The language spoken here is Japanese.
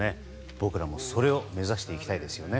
僕らもそれを目指していきたいですね。